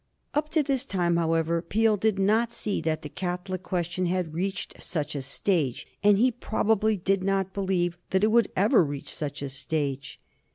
Up to this time, however, Peel did not see that the Catholic question had reached such a stage, and he probably did not believe that it would ever reach such a stage.